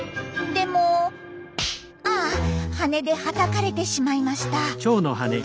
でもあ羽ではたかれてしまいました。